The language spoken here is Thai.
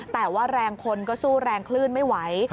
แต่ว่าแรงคนก็สู้แรงคลื่นไม่ไหว